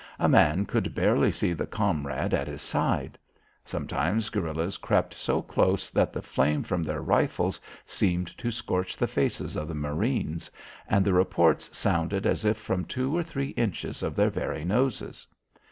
A man could barely see the comrade at his side. Sometimes guerillas crept so close that the flame from their rifles seemed to scorch the faces of the marines, and the reports sounded as if from two or three inches of their very noses.